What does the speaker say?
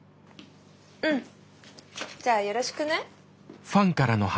うんじゃあよろしくね。